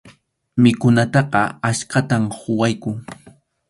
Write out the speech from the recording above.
Mikhunataqa achkatam quwaqku.